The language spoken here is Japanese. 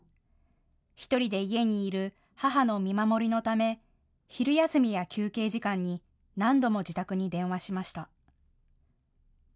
１人で家にいる母の見守りのため昼休みや休憩時間に何度も自宅に電話しました。